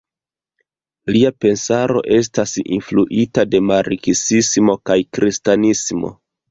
Lia pensaro estas influita de marksismo kaj kristanismo.